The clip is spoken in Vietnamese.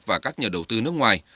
và các nhà đầu tư nước ngoài